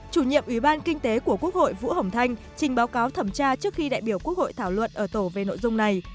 chủ nhiệm ủy ban kinh tế của quốc hội vũ hồng thanh trình báo cáo thẩm tra trước khi đại biểu quốc hội thảo luận ở tổ về nội dung này